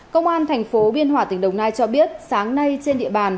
công an thành phố biên hòa tỉnh đồng nai cho biết sáng nay trên địa bàn